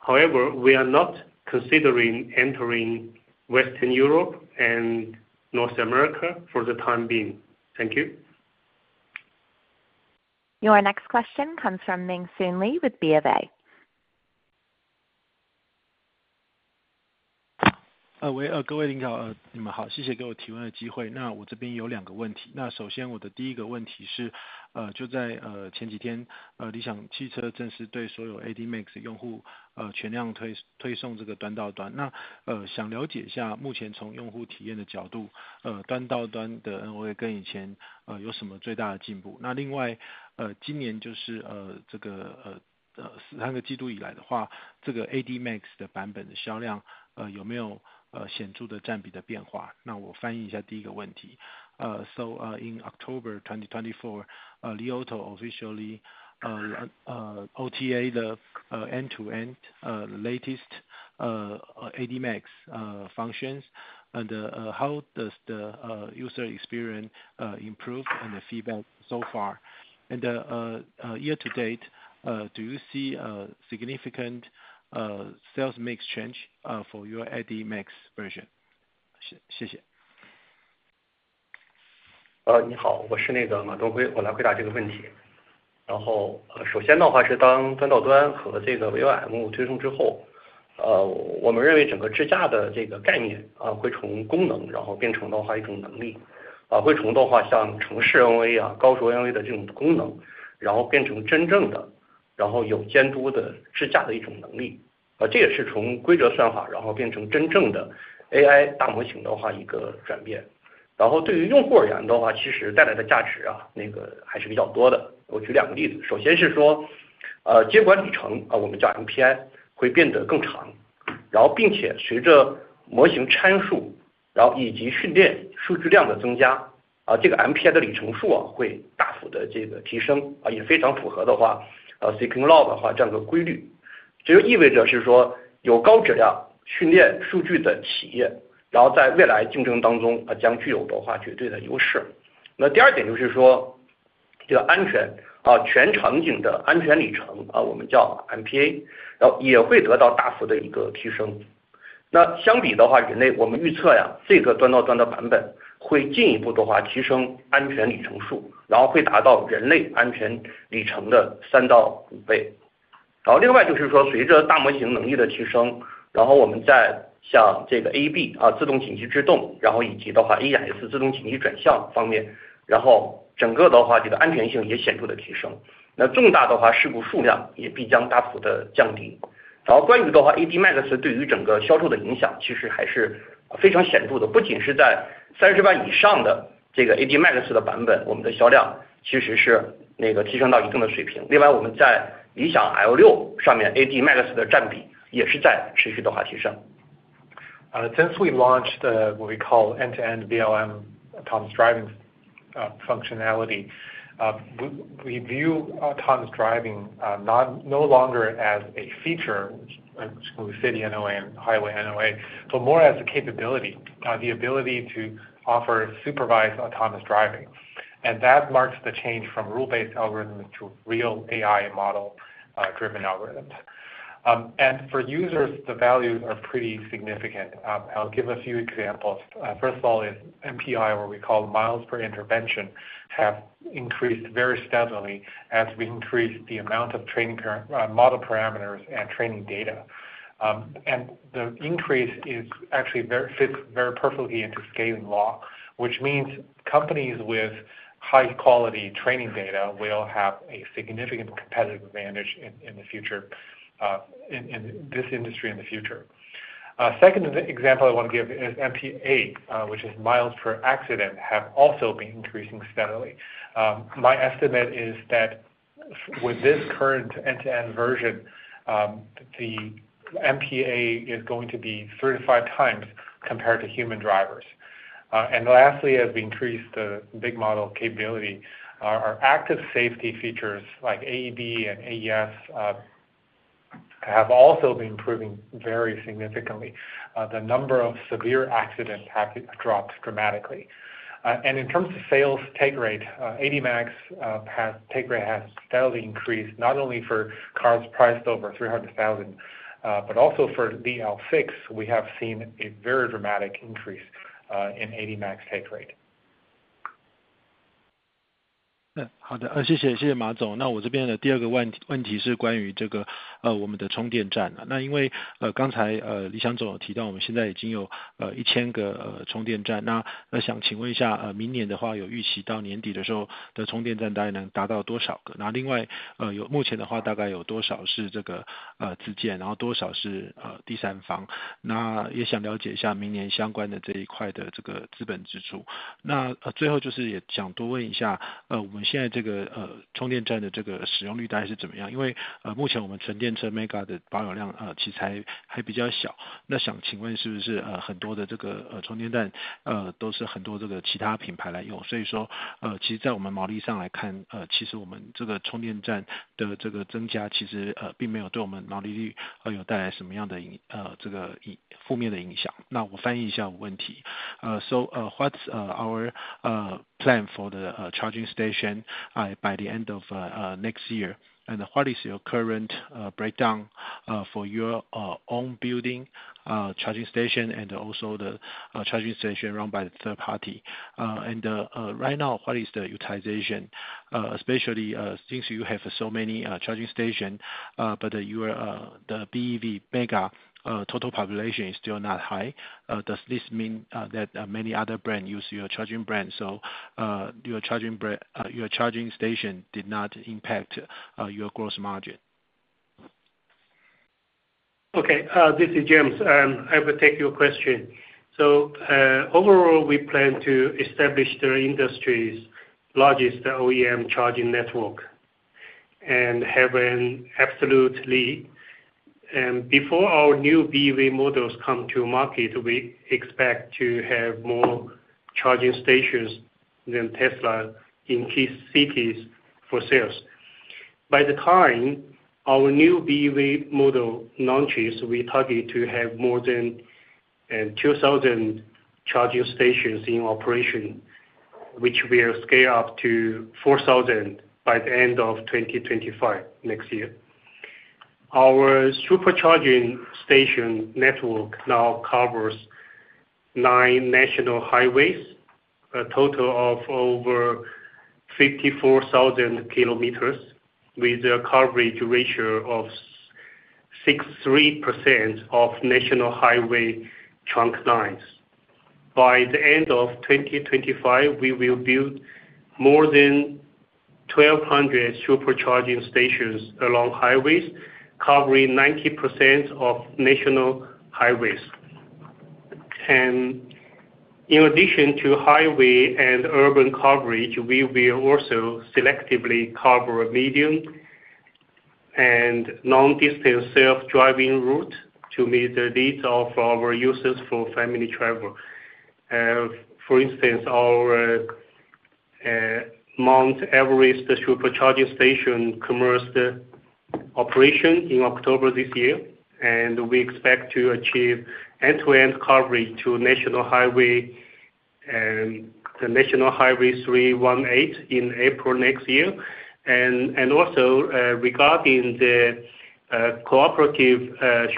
However, we are not considering entering Western Europe and North America for the time being. Thank you. Your next question comes from Ming-Hsun Lee with Bank of America Securities. 各位领导，你们好。谢谢给我提问的机会。我这边有两个问题。首先我的第一个问题是，就在前几天，理想汽车正式对所有AD Max用户全量推送这个端到端。想了解一下目前从用户体验的角度，端到端的NOA跟以前有什么最大的进步？另外，今年就是三个季度以来的话，这个AD Max的版本的销量有没有显著的占比的变化？我翻译一下第一个问题。So in October 2024, Li Auto officially OTA the end-to-end latest AD Max functions. How does the user experience improve and the feedback so far? And year to date, do you see significant sales mix change for your AD Max version? 谢谢。L6 is also continuously increasing. Since we launched what we call End-to-End VLM autonomous driving functionality, we view autonomous driving no longer as a feature with City NOA and Highway NOA, but more as a capability, the ability to offer supervised autonomous driving. That marks the change from rule-based algorithms to real AI model-driven algorithms. For users, the values are pretty significant. I'll give a few examples. First of all, MPI, what we call miles per intervention, have increased very steadily as we increase the amount of model parameters and training data. The increase actually fits very perfectly into Scaling Law, which means companies with high-quality training data will have a significant competitive advantage in this industry in the future. Second example I want to give is MPA, which is miles per accident, have also been increasing steadily. My estimate is that with this current end-to-end version, the MPI is going to be 35 times compared to human drivers. Lastly, as we increase the big model capability, our active safety features like AEB and AES have also been improving very significantly. The number of severe accidents have dropped dramatically. In terms of sales take rate, AD Max take rate has steadily increased, not only for cars priced over 300,000, but also for Li L6, we have seen a very dramatic increase in AD Max take rate. So what's our plan for the charging station by the end of next year? And what is your current breakdown for your own building charging station and also the charging station run by the third party? And right now, what is the utilization, especially since you have so many charging stations, but the BEV MEGA total population is still not high? Does this mean that many other brands use your charging stations? So your charging station did not impact your gross margin? Okay. This is James. I will take your question. Overall, we plan to establish the industry's largest OEM charging network and have an absolute lead. Before our new BEV models come to market, we expect to have more charging stations than Tesla in key cities for sales. By the time our new BEV model launches, we target to have more than 2,000 charging stations in operation, which will scale up to 4,000 by the end of 2025 next year. Our supercharging station network now covers nine national highways, a total of over 54,000 kilometers, with a coverage ratio of 63% of national highway trunk lines. By the end of 2025, we will build more than 1,200 supercharging stations along highways, covering 90% of national highways. In addition to highway and urban coverage, we will also selectively cover medium and long-distance self-driving routes to meet the needs of our users for family travel. For instance, our Mount Everest supercharging station commenced operation in October this year, and we expect to achieve end-to-end coverage to the National Highway 318 in April next year. Also, regarding the cooperative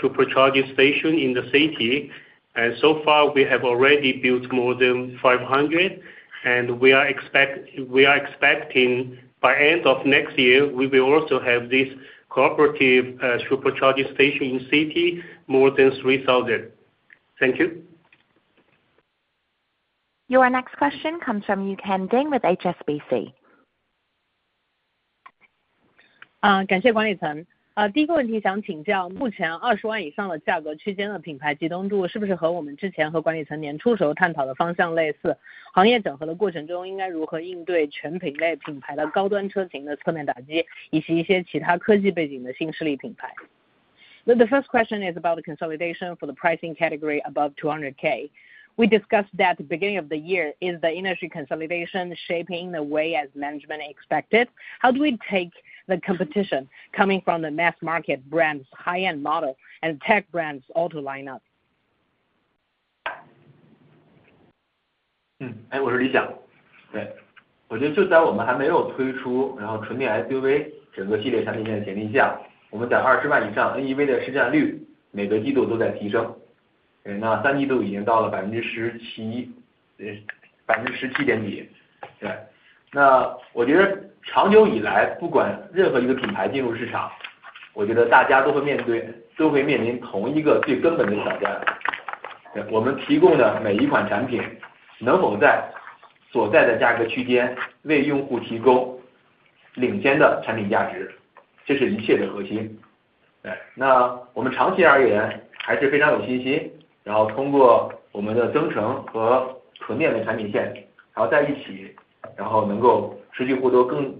supercharging station in the city, so far we have already built more than 500, and we are expecting by end of next year we will also have this cooperative supercharging station in the city more than 3,000. Thank you. Your next question comes from Yuqian Ding with HSBC. 感谢管理层。第一个问题想请教，目前20万以上的价格区间的品牌集中度是不是和我们之前和管理层年初时候探讨的方向类似？行业整合的过程中应该如何应对全品类品牌的高端车型的侧面打击，以及一些其他科技背景的新势力品牌？ The first question is about the consolidation for the pricing category above 200K. We discussed that at the beginning of the year. Is the industry consolidation shaping the way as management expected? How do we take the competition coming from the mass market brand's high-end model and tech brand's auto lineup? Today, even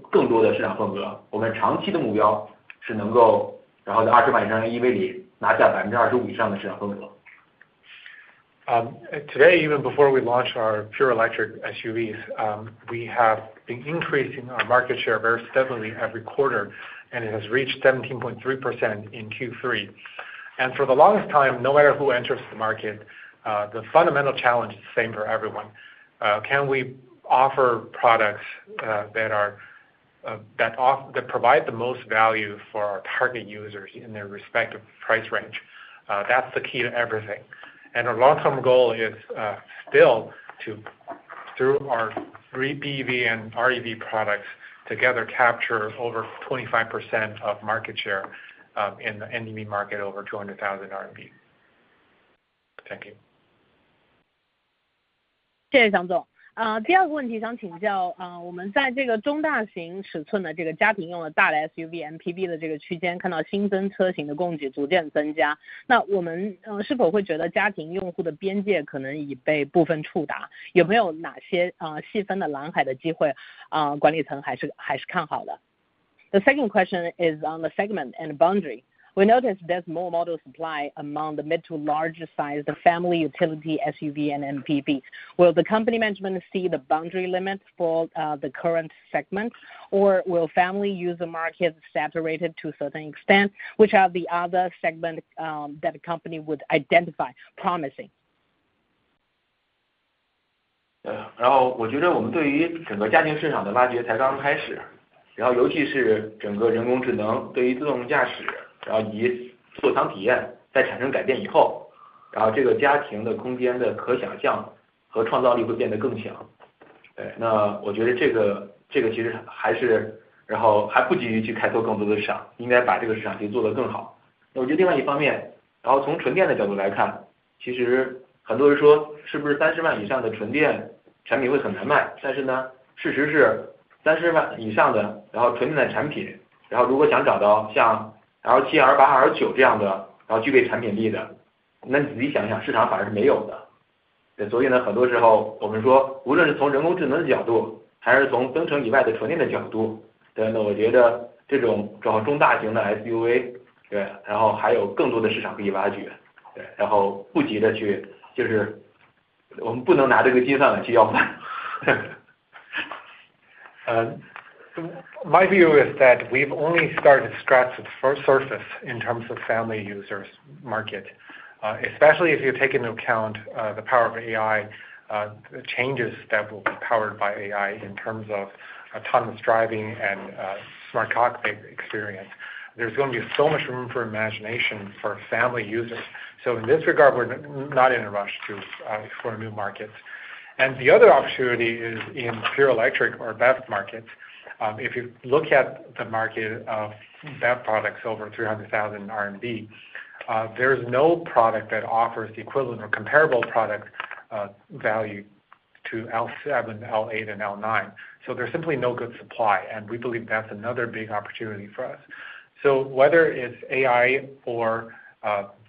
before we launched our pure electric SUVs, we have been increasing our market share very steadily every quarter, and it has reached 17.3% in Q3. For the longest time, no matter who enters the market, the fundamental challenge is the same for everyone. Can we offer products that provide the most value for our target users in their respective price range? That's the key to everything. Our long-term goal is still to, through our BEV and EREV products together, capture over 25% of market share in the NEV market over 200,000 RMB. Thank you. 谢谢蒋总。第二个问题想请教，我们在中大型尺寸的家庭用的大的SUV MPV的区间，看到新增车型的供给逐渐增加。我们是否会觉得家庭用户的边界可能已被部分触达？ The second question is on the segment and boundary. We noticed there's more model supply among the mid to large-sized family utility SUV and MPV. Will the company management see the boundary limit for the current segment, or will family user market separate to a certain extent, which are the other segment that a company would identify promising? My view is that we've only started to scratch the surface in terms of family users' market, especially if you take into account the power of AI, the changes that will be powered by AI in terms of autonomous driving and smart cockpit experience. There's going to be so much room for imagination for family users. In this regard, we're not in a rush to explore new markets. The other opportunity is in pure electric or BEV markets. If you look at the market of BEV products over 300,000 RMB, there's no product that offers the equivalent or comparable product value to L7, L8, and L9. So there's simply no good supply, and we believe that's another big opportunity for us. Whether it's AI or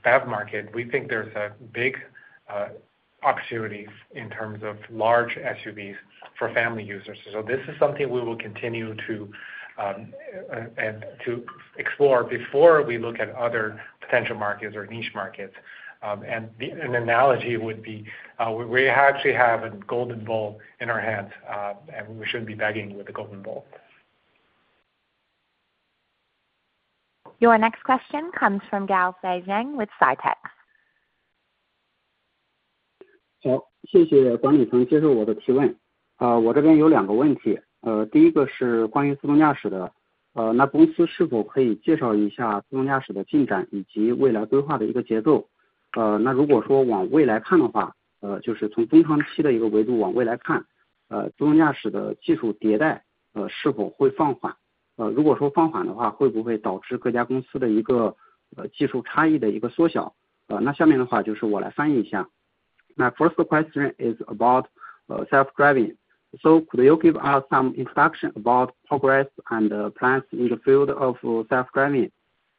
BEV market, we think there's a big opportunity in terms of large SUVs for family users. This is something we will continue to explore before we look at other potential markets or niche markets. An analogy would be we actually have a golden bull in our hands, and we shouldn't be begging with the golden bull. Your next question comes from Fei Zhong Gao with CITIC Securities. 谢谢管理层接受我的提问。我这边有两个问题。第一个是关于自动驾驶的，公司是否可以介绍一下自动驾驶的进展以及未来规划的一个节奏？如果说往未来看的话，就是从中长期的一个维度往未来看，自动驾驶的技术迭代是否会放缓？如果说放缓的话，会不会导致各家公司的一个技术差异的一个缩小？下面的话就是我来翻译一下。First question is about self-driving. So could you give us some introduction about progress and plans in the field of self-driving?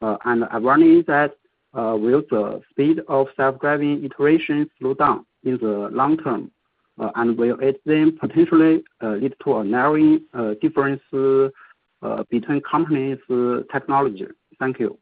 And I'm wondering that will the speed of self-driving iterations slow down in the long term, and will it then potentially lead to a narrowing difference between companies' technology? Thank you.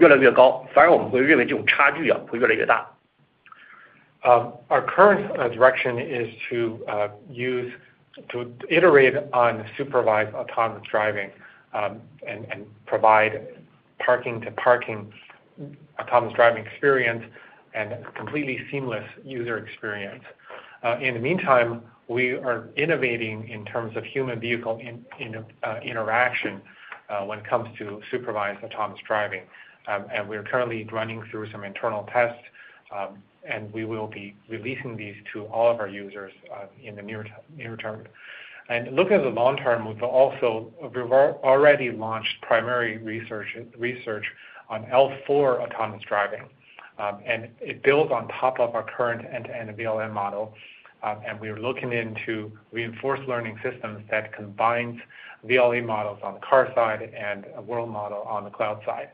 Our current direction is to iterate on supervised autonomous driving and provide parking-to-parking autonomous driving experience and completely seamless user experience. In the meantime, we are innovating in terms of human-vehicle interaction when it comes to supervised autonomous driving. We are currently running through some internal tests, and we will be releasing these to all of our users in the near term. Looking at the long term, we've also already launched primary research on L4 autonomous driving, and it builds on top of our current end-to-end VLA model. We are looking into reinforcement learning systems that combine VLA models on the car side and a world model on the cloud side.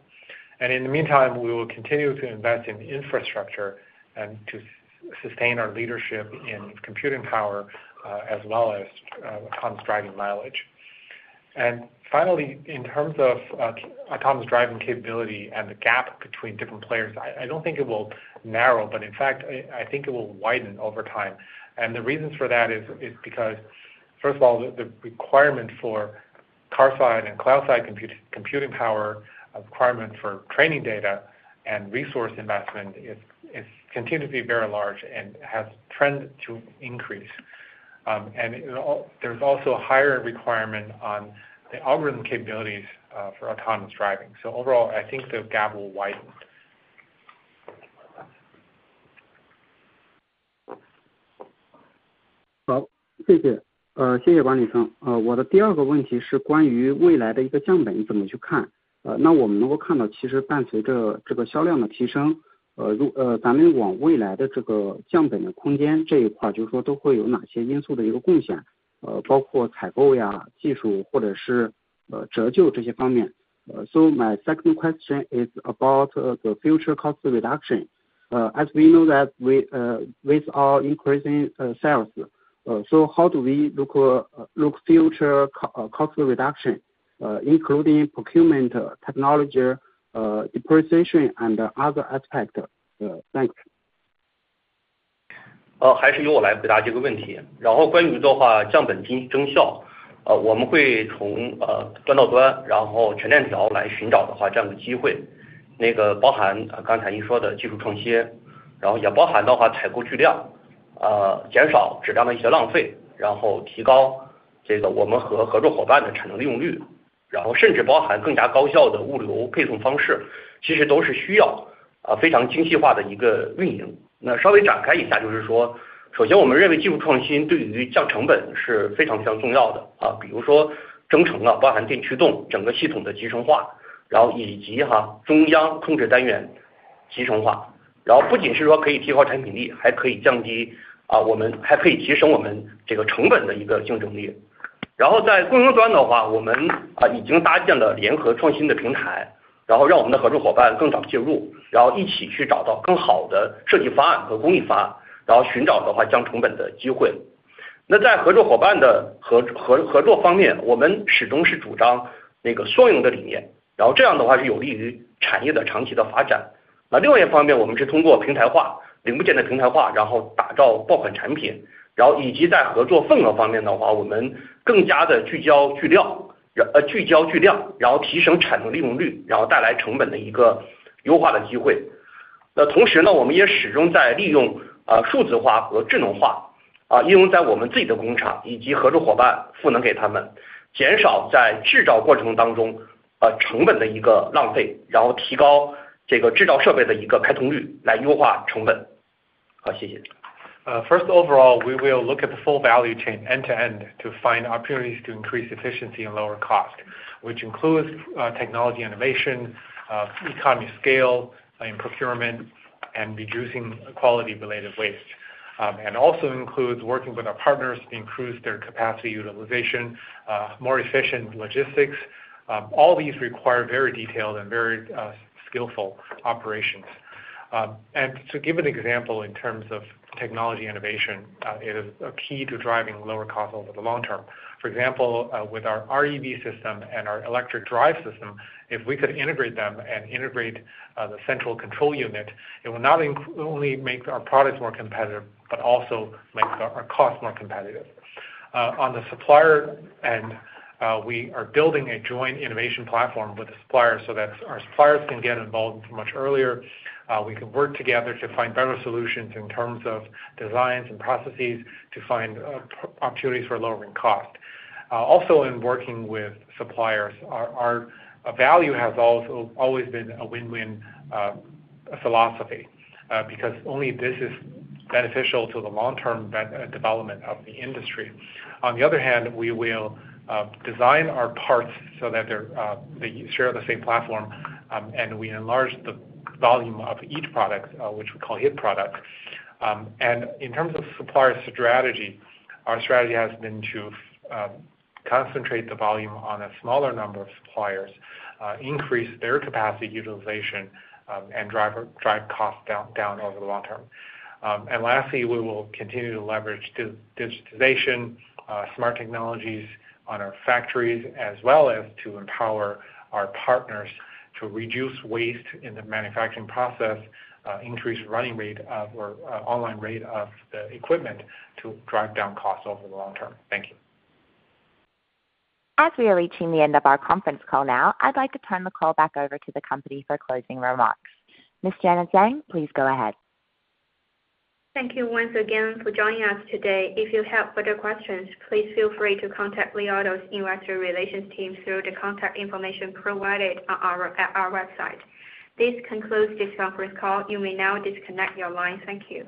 In the meantime, we will continue to invest in infrastructure and to sustain our leadership in computing power as well as autonomous driving mileage. Finally, in terms of autonomous driving capability and the gap between different players, I don't think it will narrow, but in fact, I think it will widen over time. The reason for that is because, first of all, the requirement for car side and cloud side computing power, requirement for training data, and resource investment continues to be very large and has trended to increase. There's also a higher requirement on the algorithm capabilities for autonomous driving. So overall, I think the gap will widen. 谢谢管理层。我的第二个问题是关于未来的一个降本怎么去看。我们能够看到其实伴随着销量的提升，咱们往未来的降本的空间这一块，就是说都会有哪些因素的一个贡献，包括采购、技术或者是折旧这些方面。So my second question is about the future cost reduction. As we know that with our increasing sales, how do we look for future cost reduction, including procurement, technology, depreciation, and other aspects? Thanks. First, overall, we will look at the full value chain end-to-end to find opportunities to increase efficiency and lower cost, which includes technology innovation, economies of scale in procurement, and reducing quality-related waste. It also includes working with our partners to increase their capacity utilization, more efficient logistics. All these require very detailed and very skillful operations. To give an example in terms of technology innovation, it is key to driving lower cost over the long term. For example, with our EREV system and our electric drive system, if we could integrate them and integrate the central control unit, it will not only make our products more competitive, but also make our costs more competitive. On the supplier end, we are building a joint innovation platform with the suppliers so that our suppliers can get involved much earlier. We can work together to find better solutions in terms of designs and processes to find opportunities for lowering cost. Also, in working with suppliers, our value has always been a win-win philosophy because only this is beneficial to the long-term development of the industry. On the other hand, we will design our parts so that they share the same platform, and we enlarge the volume of each product, which we call hit products. In terms of supplier strategy, our strategy has been to concentrate the volume on a smaller number of suppliers, increase their capacity utilization, and drive costs down over the long term. Lastly, we will continue to leverage digitization, smart technologies on our factories, as well as to empower our partners to reduce waste in the manufacturing process, increase running rate or online rate of the equipment to drive down costs over the long term. Thank you. As we are reaching the end of our conference call now, I'd like to turn the call back over to the company for closing remarks. Ms. Janet Zhang, please go ahead. Thank you once again for joining us today. If you have further questions, please feel free to contact Li Auto's Investor Relations team through the contact information provided at our website. This concludes this conference call. You may now disconnect your line. Thank you.